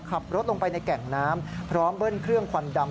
ขับรถลงไปในแก่งน้ำพร้อมเบิ้ลเครื่องควันดำ